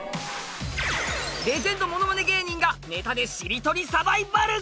レジェンドものまね芸人がネタでしりとりサバイバル！